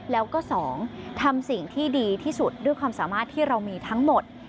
แล้วก็๒ทำสิ่งที่ดีที่สุดด้วยความสามารถที่เรามีทั้งหมด